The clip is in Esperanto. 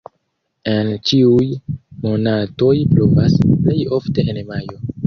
En ĉiuj monatoj pluvas, plej ofte en majo.